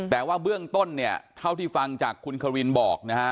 แต่ว่าเบื้องต้นเนี่ยเท่าที่ฟังจากคุณควินบอกนะฮะ